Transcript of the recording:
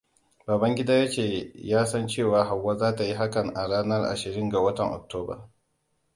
Babangida yace yasan cewa Hauwa zata yi hakan a ranan ashirin ga wata Oktoba.